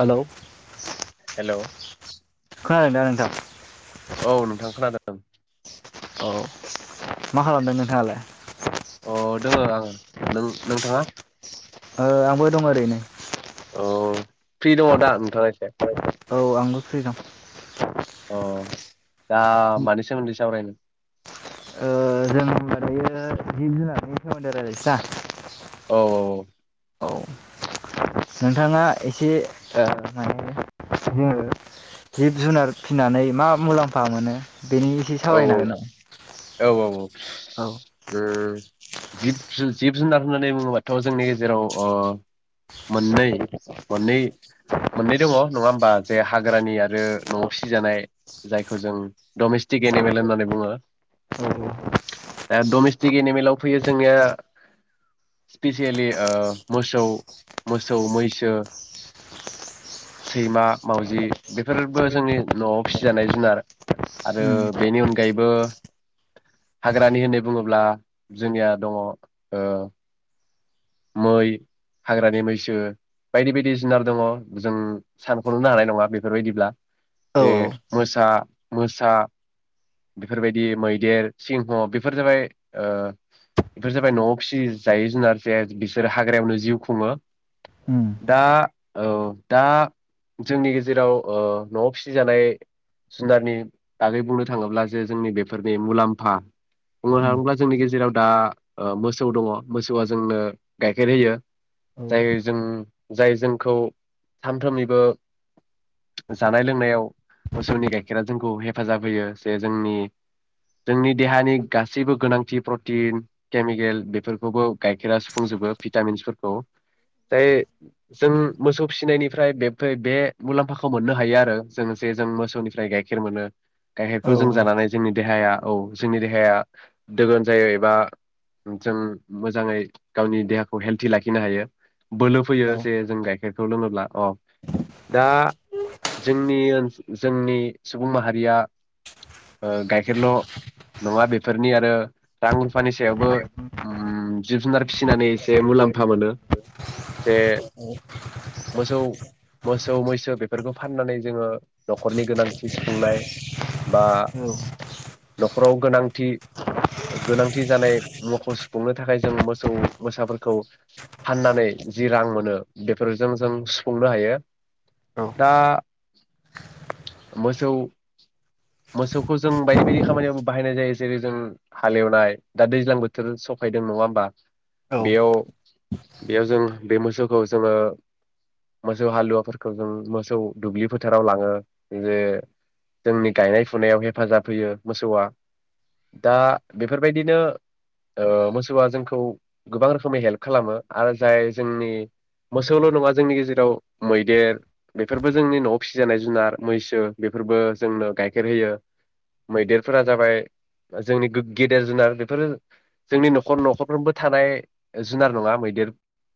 Hello hello खोनादों दा नोंथां औ नोंथां खोनादों [unintelligible] औ मा खालामदों नोंथाङालाय अ दोङो आङो नों नोंथाङा ओ आंबो दं ओरैनो अ फ्रि दङ दा नोंथाङा एसे औ आंबो फ्रि दं अ दा मानि सोमोनदै सावरायनो ओ जों होनोमबा दायो जिब जुनारनि सोमोन्दो रायलायसैना औ औ औ नोंथाङा एसे ओ माने जोङो जिब जुनार फिनानै मा मुलाम्फा मोनो बेनि एसे औ सावरायनो हागोन नामा औ औ औ औ उम जिब जु जिब जुनार होननानै बुङोबाथ' जोंनि गेजेराव अ मोननै मोननै मोननै दङ नङा होमबा जे हाग्रानि आरो न'आव फिसिजानाय जायखौ जों डमेस टिक एनिमेल होननानै बुङो नामा? ए डमेस्टिक एनिमेलाव फैयो जोंनिया स्पिेसियेलि मोसौ मोसौ मैसो सैमा मावजि बेफोरबो जोंनि न'आव फिसिजानाय जुनार आरो बेनि अनगायैबो हाग्रानि होननाय बुङोब्ला जोंनिया दङ ओ मै हाग्रानि मैसो बायदि बायदि जुनार दङ जों सानखनोनो हानाय नङा बेफोरबायदिब्ला औ जे मोसा मोसा बेफोरबायदि मैदेर सिंह बेफोर जाबाय ओ बेफोर जाबाय न'आव फिसि जायै जुनार जे बिसोरो हाग्रायावनो जिउ खुङो उम दा औ दा जोंनि गेजेराव ओ न'आव फिसिजानाय जुनारनि बागै बुंनो थाङोब्ला जे जोंनि बेफोरनि मुलाम्फा बुंनो औ उम थाङोब्ला जोंनि गेजेराव दा ओ मोसौ दङ मोसौआ जोंनो गाइखेर होयो। औ जाय जों जाय जोंखौ सानफ्रोमनिबो जानाय लोंनायाव मोसौनि गाइखेरा जोंखौ हेफाजाब होयो जे जोंनि जोंनि देहानि गासैबो गोनांथि प्रटिन केमिकेल बेफोरखौबो गाइखेरा सुफुंजोबो भिटामिन्सफोरखौ जाय जों मोसौ फिसिनायनिफ्राय बेफो बे मुलाम्फाखौ मोननो हायो आरो जों जे जों मोसौनिफ्राय गाइखेर मोनो औ गाइखेरखौ जों जानानै जोंनि देहाया औ जोंनि देहाया दोगोन जायो एबा जों मो जाङै गावनि देहाखौ हेलथि लाखिनो हायो। बोलो फैयो जे जों गाय खेरखौ लोङोब्ला अ दा जोंनिओन जोंनि सुबुं माहारिया ओ गाइखेरल' नङा बेफोरनि आरो रां रुफानि सायावबो उम जिब जुनार फिसिनानै एसे मुलाम्फा मोनो जे मोसौ मोसौ मैसो बेफोरखौ फाननानै जोङो न'खरनि गोनांथि सुफुंनाय बा न'खराव गोनांथि गोनांथि जानाय मुखौ सुफुंनो थाखाय जों मोसौ मोसाफोरखौ फाननानै जि रां मोनो बेफोरजों जों सुफुंनो हायो दा मोसौ मोसौखौ जों बायदि बायदि खामानियावबो बाहायनाय जायो जेरै जों हालेवनाय दा दैज्लां बोथोर सफायदों नङा बा औ बेयाव बेयाव जों बे मोसौखौ जोङो मोसौ हालुवाफोरखौ जों मोसौ दुब्लि फोथाराव लाङो जे जोंनि गायनाय फुनायाव हेफाजाब होयो मोसौआ दा बेफोरबायदिनो ओ मोसौआ जोंखो खौ गोबां रोखोमै हेल्प खालामो आरो जाय जोंनि मोसौल' नङा जोंनि गेजेराव मैदेर बेफोरबो जोंनि न'आव फिसिजानाय जुनार मैसो बेफोरबो जोंनो गाइखेर होयो मैदेरफोरा जाबाय जोंनि गो गेदेर जुनार बेफोरो जोंनि न'खर न'खर फ्रोमबो थानाय जुनार नङा मैदेर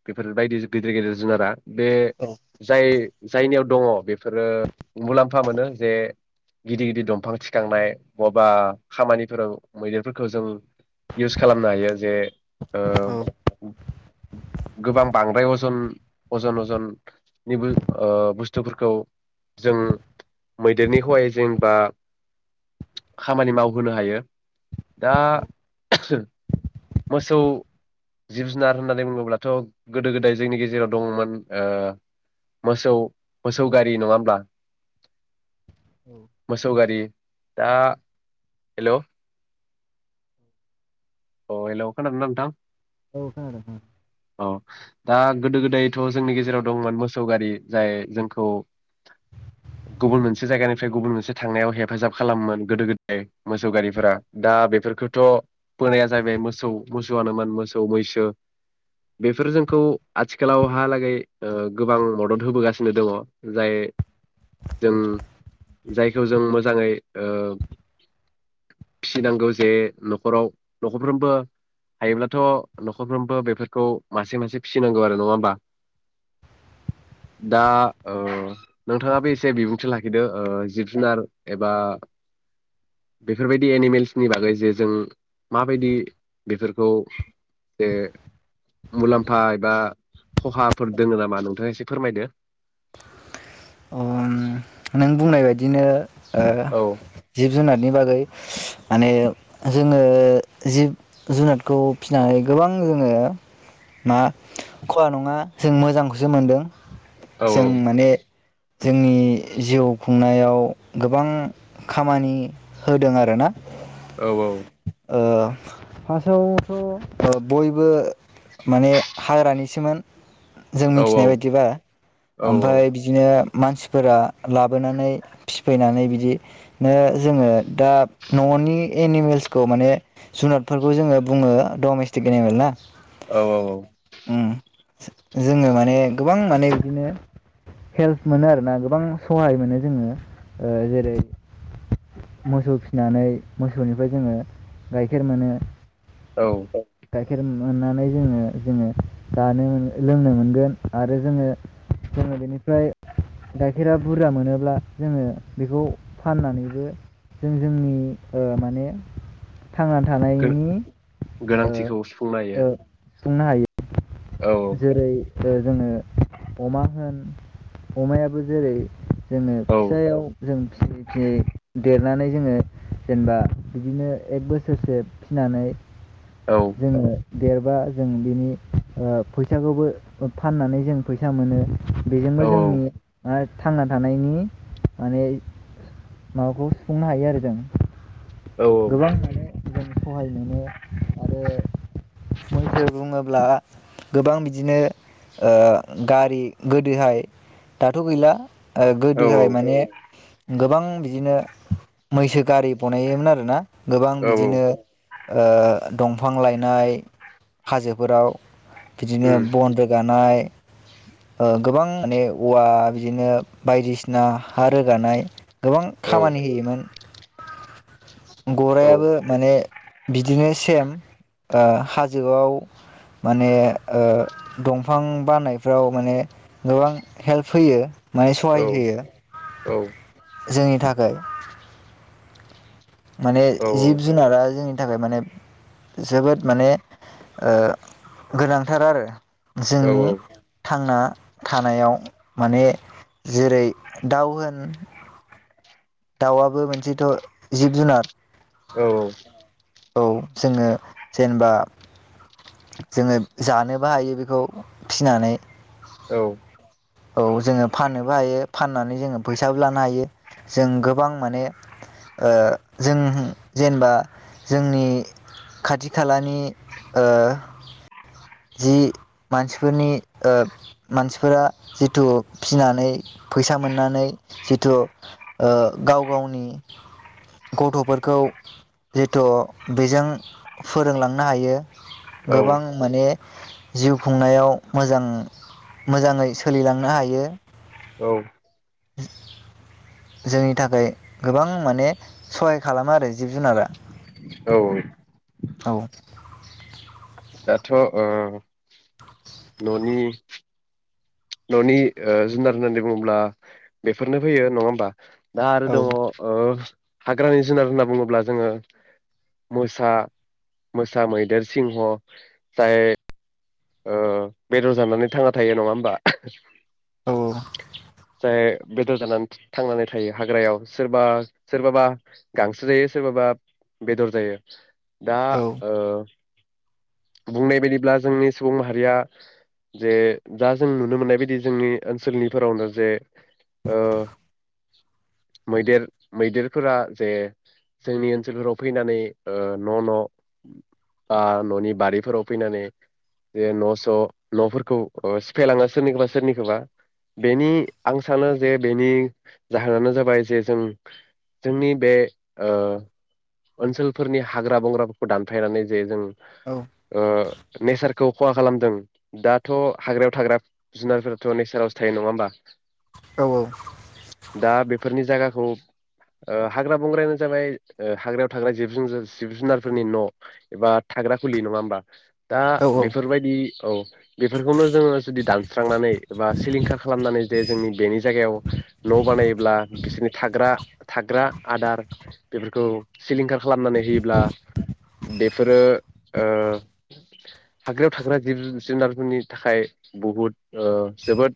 बेफोरबायदि गिदिर गिदिर जुनारा बे औ जाय जायनियाव दङ बेफोरो मुलाम्फा मोनो जे गिदिर गिदिर दंफां थिखांनाय बआबा खामानिफोराव मैदेरफोरखौ जों इउस खालामनो हायो जे ओ औ गोबां बांद्राय अजन अजन अजननिबो ओ बुस्थुफोरखौ जों मैदेरनि हवाय जेंबा खामानि मावहोनो हायो दा। मोसौ जिब जुनार होननानै बुङोब्लाथ' गोदो गोदाय जोंनि गेजेराव दङमोन ओ मोसौ मोसौ गारि नङा होमब्ला? मोसौ गारि दा हेलौ अ हेलौ खोना दोंना नोंथां। औ खोनादों नोंथां औ दा गोदो गोदायथ' जोंनि गेजेराव दंमोन मोसौ गारि जाय जोंखौ गुबुन मोनसे जायगानिफ्राय गुबुन मोनसे थांनायाव हेफाजाब खालामोमोन गोदो गोदाय मोसौ गारिफोरा दा बेफोरखौथ' बोनाया जाहैबाय मोसौ मोसौआनोमोन मोसौ मैसो बेफोर जोंखौ आथिखालावहालागै गोबां मदद होबोगासिनो दङ। जाय जों औ जाय खौ जों मोजाङै ओ फिसिनांगौ जे न'खराव न'खरफ्रोमबो हायोब्लाथ' न'खरफ्रोमबो बेफोरखौ मासे मासे फिसिनांगौ आरो नङा होमबा दा ओ नोंथाङाबो एसे बिबुंथि लाखिदो ओ जिब जुनार एबा बेफोरबायदि एनिमेल्सनि बागै जे जों माबायदि बेफोरखौ जे मुलाम्फा एबा खहाफोर दोङो नामा नोंथाङा एसे फोरमायदो अ उम नों बुंनाय बायदिनो ओ औ जिब जुनारनि बागै माने जोङो जिब जुनादखौ फिसिनानै गोबां जोङो मा खहा नङा जों मोजांखौसो मोनदों। औ जों माने जोंनि जिउ खुंनायाव गोबां खामानि होदों आरोना। औ औ ओ फासआवथ' बयबो माने हाग्रानिसोमोन। जों औ मिथिनाय बायदिबा औ ओमफाय बिदिनो मानसिफोरा लाबोनानै फिफैनानै बिदिनो जोङो दा न'नि एनिमेल्सखौ माने जुनादफोरखौ जोङो बुङो डमेस्टिक एनिमेल ना औ औ उम औ जोङो माने गोबां माने बिदिनो हेल्प मोनो आरोना गोबां सहाय मोनो जोङो ओ जेरै मोसौ फिसिनानै मोसौनिफ्राय जोङो गाइखेर मोनो औ गाइखेर मोननानै जोङो जोङो जानो लोंनो मोनगोन आरो जोङो जोङो बेनिफ्राय गाइखेरा बुरजा मोनोब्ला जोङो बेखौ फाननानैबो जों जोंनि ओ माने थांना गो- थानायनि ओ गोनांथिखौ सुफुंनो हायो ओ सुंफुंनो औ हायो जेरै ओ जोङो अमा होन अमायाबो जेरै जोङो औ फिसायाव जों फिसियै फिसियै देरनानै जोङो जेनेबा बिदिनो एक बोसोरसो फिसिनानै औ औ जोङो देरबा जों बिनि ओ फैसाखौबो फाननानै जों फैसा मोनो औ बेजोंबो जोंनि थांना थानायनि माने माबाखौ सुफुंनो हायो आरो जों औ उम गोबां माने जों सहाय मोनो आरो मैसो बुङोब्ला गोबां बिदिनो ओ गारि गोदोहाय दाथ' गैला ओ औ औ गोदोहाय माने गोबां बिदिनो मैसो गारि बनायोमोन आरो ना गोबां औ औ बिदिनो ओ दंफां लायनाय हाजोफोराव बिदिनो बन रोगानाय ओं गोबां माने औवा बिदिनो बायदिसिना हा रोगानाय गोबां खामानि होयोमोन गराइयाबो माने बिदिनो सेम ओ हाजोआव माने ओ दंफां बानायफ्राव माने गोबां हेल्प होयो माने सहाय होयो जोंनि थाखाय माने जिब जुनारा जोंनि थाखाय माने जोबोद माने ओ गोनांथार आरो जोंनि थांना थानायाव माने जेरै दाव होन दाउआबो मोनसेथ' जिब जुनार औ औ औ जोङो जेनबा जोङो जानोबो हायो बेखौ फिनानै औ औ जोङो फाननोबो हायो फाननानै जोङो फैसाबो लानो हायो। जों गोबां माने ओ जों जेनेबा जोंनि खाथि खालानि ओ जि मानसिफोरनि ओ मानसिफोरा जिथु फिनानै फैसा मोननानै जिथु ओ गाव गावनि गथ'फोरखौ जिथु बिजों फोरोंलांनो हायो। गोबां माने। जिउ खुंनायाव मोजां मोजाङै सोलिलांनो हायो। औ जोंनि थाखाय गोबां माने सहाय खालामो आरो जिब जुनारा औ औ दाथ' ओ न'नि न'नि ओ जुनार होननानै बुङोब्ला बेफोरनो फैयो नङा होमबा दा आरो औ दङ ओ हाग्रानि जुनार होनना बुङोब्ला जोङो मोसा मोसा मैदेर सिंह जाय ओ बेदर जानानै थांना थायो। नङा होमबा? औ जाय बेदर जानानै थांनानै थायो हाग्रायाव सोरबा सोरबाबा गांसो जायो सोरबाबा बेदर जायो दा औ ओ बुंनाय बायदिब्ला जोंनि सुबुं माहारिया जे जा जों नुनो मोननाय बायदि जोंनि ओनसोलनिफोरावनो जे ओ मैदेर मैदेरफोरा जे जोंनि ओनसोलफोराव फैनानै ओ न' न' बा न'नि बारिफोराव फैनानै जे न' स' न'फोरखौ ओ सिफायलाङो सोरनिखौबा सोरनिखौबा बेनि आं सानो जे बेनि जाहोनानो जाबाय जे जों जोंनि बे ओ ओनसोलफोरनि हाग्रा बंग्राफोरखौ दानफायनानै जे जों औ ओ नेचारखौ खहा खालामदों दाथ' हाग्रायाव थाग्रा जुनारफोराथ' नेचारावसो थायो। नङा होमबा? औ दा बेफोरनि जागा खौ ओ हाग्रा बंग्रायानो जाबाय ओ हाग्रायाव थाग्रा जिब जुनजोर जिब जुनारफोरनि न' एबा थाग्रा खुलि नङा होमबा? दा औ बेफोरबायदि औ बेफोरखौनो जोङो जुदि दानस्रांनानै एबा सिलिंखार खालामनानै जे जोंनि बेनि जायगायाव न' बानायोब्ला बिसोरनि थाग्रा थाग्रा आदार बेफोरखौ सिलिंखार खालामनानै होयोब्ला बेफोरो ओ हाग्रायाव थाग्रा जिब जुनारफोरनि थाखाय बहुद ओ जोबोद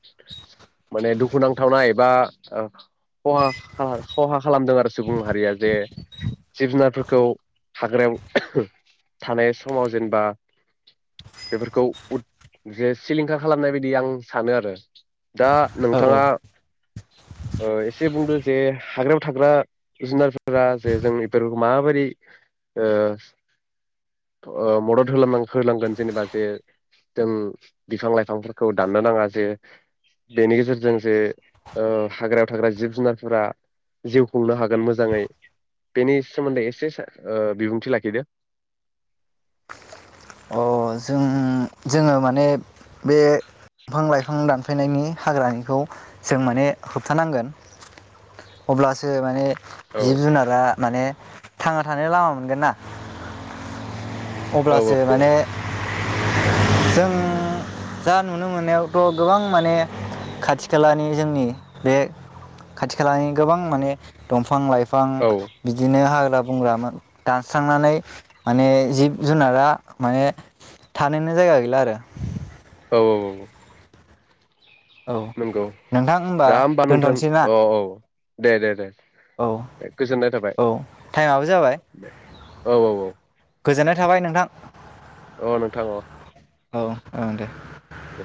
माने दुखुनांथावना एबा ओ खहा खा खहा खालामदों आरो सुबुं माहारिया जे जिब जुनारफोरखौ हाग्रायाव थानाय समाव जेनेबा बेफोरखौ उद जे सिलिंखार खालामनाय बायदि आं सानो आरो। दा औ नोंथाङा एसे बुंदो जे हाग्रायाव थाग्रा जुनारफोरा जे जों बेफोर माबायदि मदद होलां होलांगोन जेनेबा जे जों बिफां लाइफांफोरखौ दाननो नाङा जे बेनि गेजेरजों जे हाग्रायाव थाग्रा जिब जुनारफोरा जिउ खुंनो हागोन मोजाङै बेनि सोमोन्दै एसे बिबुंथि लाखिदो अ जों जोङो माने बे दंफां लाइफां दानफायनायनि हाग्रानिखौ जों माने होबथानांगोन अब्लासो माने औ जिब जुनारा माने थांना थानायनि लामा मोनगोन ना औ अब्ला माने जों जा नुनो मोननायावथ' गोबां माने खाथि खालानि जोंनि बे खाथि खालानि गोबां माने दंफां लाइफां औ बिफां बिदिनो हाग्रा बुंग्रामोन दानस्रांनानै माने जिब जुनारा माने थानोनो जायगा गैला आरो औ औ औ नंगौ नोंथां दा होमबा नोंथां दोनथ'नोसै ना औ औ दे दे दे औ दे गोजोननाय थाबाय औ टाइमाबो जाबाय। दे औ औ औ गोजोननाय थाबाय नोंथां। अ नोंथां अ। औ ओं दे। दे।